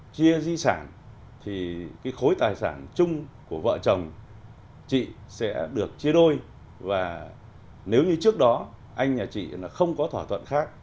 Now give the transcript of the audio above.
chia di sản thì cái khối tài sản chung của vợ chồng chị sẽ được chia đôi và nếu như trước đó anh nhà chị không có thỏa thuận khác